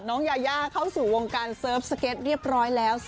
น้องยายาเข้าสู่วงการเสิร์ฟสเก็ตเรียบร้อยแล้ว